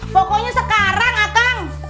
pokoknya sekarang akang